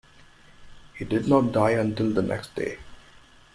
He did not die until the next day.